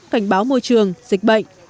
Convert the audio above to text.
cảnh báo môi trường dịch bệnh